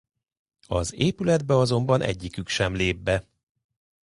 Az épületbe azonban egyikük sem lép be.